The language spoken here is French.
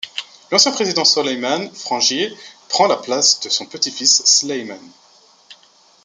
L'ancien président Soleimane Frangié, prend la charge de son petit-fils Sleiman.